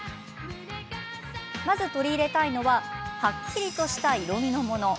まず取り入れたいのははっきりとした色みのもの。